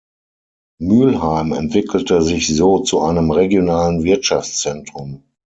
Mühlheim entwickelte sich so zu einem regionalen Wirtschaftszentrum.